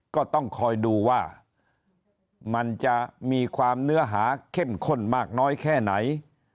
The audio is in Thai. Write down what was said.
ก็ต้องคอยดูว่ามันจะมีความเนื้อหาเข้มข้นมากน้อยแค่ไหน